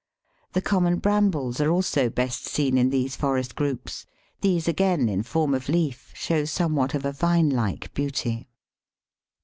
The common Brambles are also best seen in these forest groups; these again in form of leaf show somewhat of a vine like beauty.